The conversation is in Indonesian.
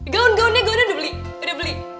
gaun gaunnya gue udah beli udah beli